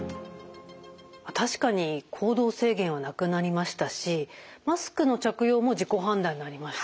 確かに行動制限はなくなりましたしマスクの着用も自己判断になりました。